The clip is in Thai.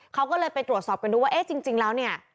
เขาก็เลยไปตรวจสอบกันดูว่าเอ๊ะจริงแล้วเนี่ย